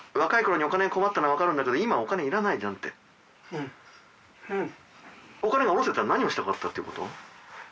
うんうん。